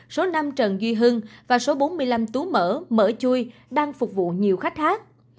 số năm trần duy hưng và số bốn mươi năm tú mở mở chui đang phục vụ nhiều khách khác